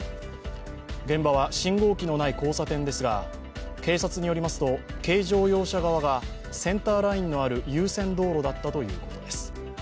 現場は信号機のない交差点ですが、警察によりますと軽乗用車側がセンターラインのある優先道路だったということです。